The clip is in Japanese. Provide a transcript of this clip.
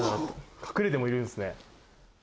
隠れてもいるんすね。